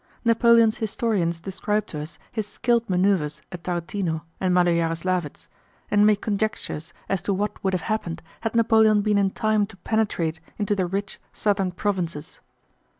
Napoleon's historians describe to us his skilled maneuvers at Tarútino and Málo Yaroslávets, and make conjectures as to what would have happened had Napoleon been in time to penetrate into the rich southern provinces.